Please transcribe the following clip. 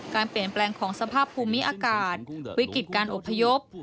การเปลี่ยนแปลงของสภาพภูมิอากาศวิกฤตการอบพยพ